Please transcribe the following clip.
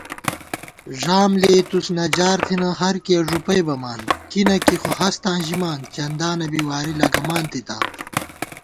ݫام لېئیتُوس نجار تھنہ ہر کِیَہ ݫُپئ بَمان * کی نہ کی خو ہستاں ژِمان، چندانہ بی واری لَگمان تِتا